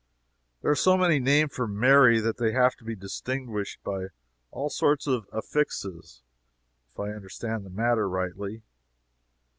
There are so many named for Mary that they have to be distinguished by all sorts of affixes, if I understand the matter rightly.